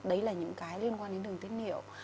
đấy là những cái liên quan đến đường tiết niệu